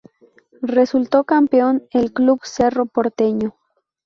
Resultó campeón el club Cerro Porteño.